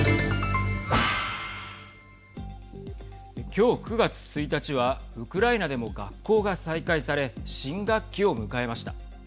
今日、９月１日はウクライナでも学校が再開され新学期を迎えました。